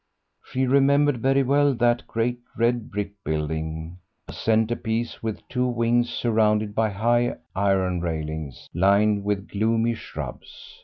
She remembered very well that great red brick building, a centrepiece with two wings, surrounded by high iron railings lined with gloomy shrubs.